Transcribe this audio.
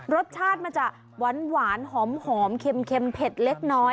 รสชาติมันจะหวานหอมเค็มเผ็ดเล็กน้อย